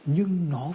nhưng nó phải